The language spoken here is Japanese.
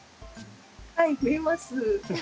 はいふえます。